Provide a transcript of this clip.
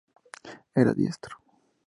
Era diestro.